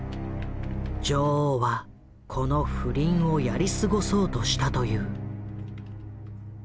女王はこの不倫をやり過ごそうとしたという。